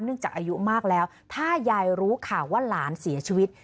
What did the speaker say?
จากอายุมากแล้วถ้ายายรู้ข่าวว่าหลานเสียชีวิต